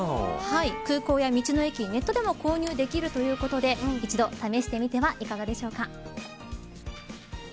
空港や道の駅、ネットでも購入できるということで一度試してみてはいかがでしょうか。